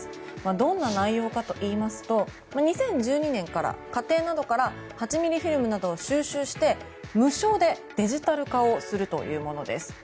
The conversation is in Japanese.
どんな内容かといいますと２０１２年から家庭などから８ｍｍフィルムなどを収集して無償でデジタル化するというものです。